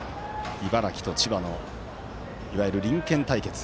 茨城と千葉のいわゆる隣県対決。